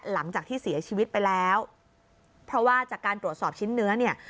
หลังจากที่เสียชีวิตไปแล้วเพราะว่าจากการตรวจสอบชิ้นเนื้อเนี่ย